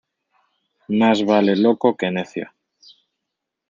Más vale loco que necio.